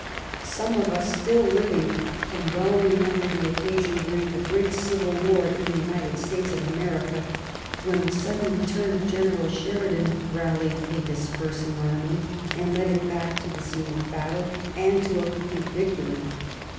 Some of us still living can well remember the occasion during the great civil war in the United States of America when the sudden return of General Sheridan rallied a dispersing army and led it back to the scene of battle and to a complete victory.